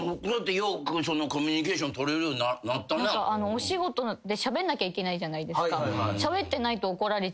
お仕事でしゃべんなきゃいけないじゃないですか。